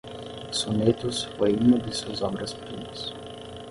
Sonetos foi uma de suas obras primas